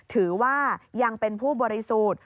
ถือว่ายังเป็นผู้บริสุทธิ์